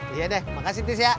iya deh makasih terus ya